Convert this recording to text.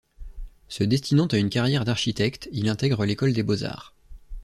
Se destinant à une carrière d'architecte, il intègre l’École des Beaux-arts.